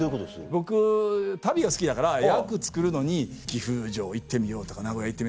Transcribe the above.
僕旅が好きだから役作るのに岐阜城行ってみようとか名古屋行ってみよう